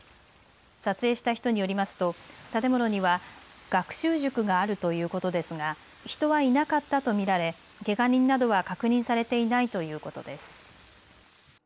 撮影した人によりますと建物には学習塾があるということですが人はいなかったと見られけが人などは確認されていないということです。